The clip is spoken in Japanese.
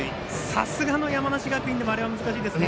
さすがの山梨学院でもあれは難しいですね。